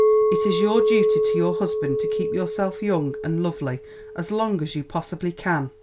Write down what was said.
It is your duty to your husband to keep yourself young and lovely as long as you possibly can.